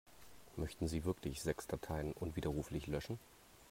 Möchten Sie wirklich sechs Dateien unwiderruflich löschen?